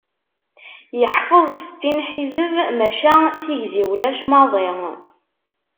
Yeḥfeḍ settin ḥizeb maca tigzi ulac maḍi.